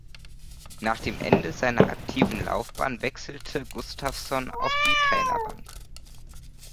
Nach dem Ende seiner aktiven Laufbahn wechselte Gustafsson auf die Trainerbank.